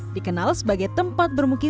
dikenal sebagai tempat bermukim